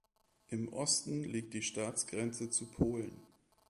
Im Osten liegt die Staatsgrenze zu Polen.